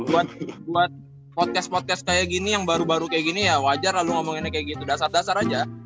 buat podcast podcast kaya gini yang baru baru kaya gini ya wajar lu ngomonginnya kaya gitu dasar dasar aja